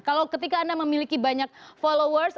kalau ketika anda memiliki banyak followers